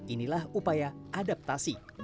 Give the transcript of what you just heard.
inilah upaya adaptasi